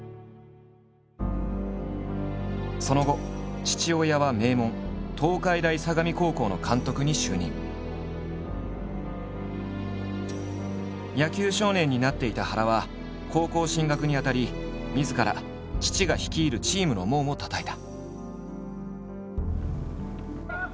その後父親は名門野球少年になっていた原は高校進学にあたりみずから父が率いるチームの門をたたいた。